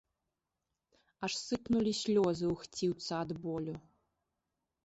Аж сыпнулі слёзы у хціўца ад болю.